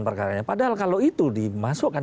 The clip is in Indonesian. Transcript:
perkara ini padahal kalau itu dimasukkan